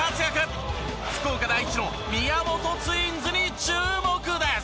福岡第一の宮本ツインズに注目です。